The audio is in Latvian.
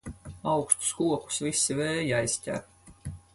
Augstus kokus visi vēji aizķer.